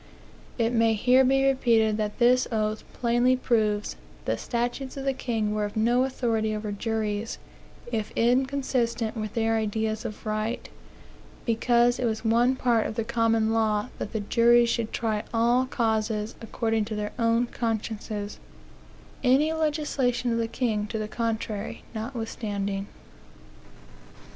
It may here be repeated that this oath plainly proves that the statutes of the king were of no authority over juries, if inconsistent with their ideas of right; because it was one part of the common law that juries should try all causes according to their own consciences, any legislation of the king to the contrary notwithstanding.